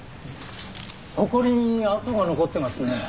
ほこりに跡が残ってますね。